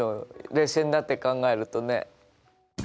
冷静になって考えるとね。